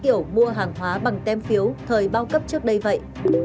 kiểu mua hàng hóa bằng tem phiếu thời bao cấp trước đây vậy